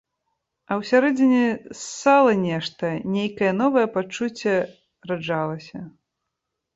А ўсярэдзіне ссала нешта, нейкае новае пачуццё раджалася.